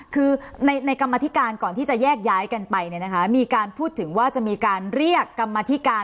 คือในกรรมธิการก่อนที่จะแยกย้ายกันไปเนี่ยนะคะมีการพูดถึงว่าจะมีการเรียกกรรมธิการ